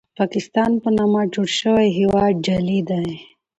پاکستان په نامه جوړ شوی هېواد جعلي دی.